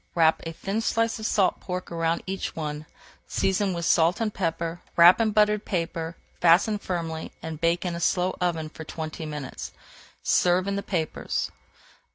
Wrap a thin slice of salt pork around each one, season with salt and pepper, wrap in buttered paper, fasten firmly, and bake in a slow oven for twenty minutes. Serve in the papers.